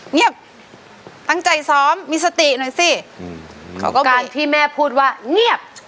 เงียบทั้งใจซ้อมมีสติหน่อยสิเขาก็การที่แม่พูดว่าเงียบ